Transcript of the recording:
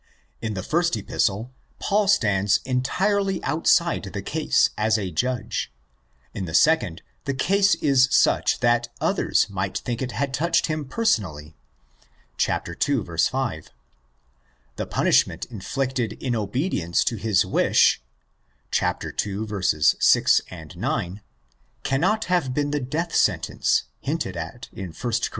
In the first Epistle Paul stands entirely outside the case as a judge; in the second, the case is such that others might think it had touched him personally (ii. 5). The punishment inflicted in obedience to his wish (11. 6, 9) cannot have been the death sentence hinted at in 1 Cor.